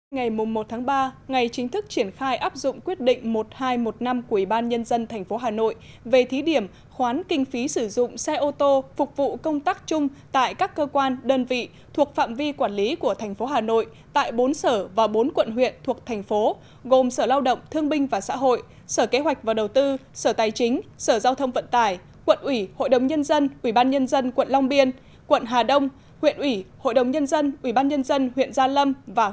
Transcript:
ngày một ba ngày chính thức triển khai áp dụng quyết định một nghìn hai trăm một mươi năm của ủy ban nhân dân tp hà nội về thí điểm khoán kinh phí sử dụng xe ô tô phục vụ công tác chung tại các cơ quan đơn vị thuộc phạm vi quản lý của tp hà nội tại bốn sở và bốn quận huyện thuộc tp gồm sở lao động thương binh và xã hội sở kế hoạch và đầu tư sở tài chính sở giao thông vận tài quận ủy hội đồng nhân dân ủy ban nhân dân quận long biên quận hà đông huyện ủy hội đồng nhân dân ủy ban nhân dân huyện gia